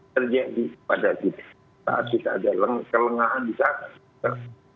terjadi pada kita saat kita ada kelengahan di sana